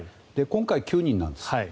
今回、９人なんです。